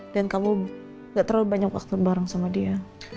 dan kamu gak terlalu banyak waktu bareng sama dia